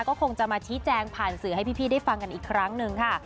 ก็คงจะมาชี้แจงผ่านสื่อให้พี่ได้ฟังกันอีกครั้งหนึ่งค่ะ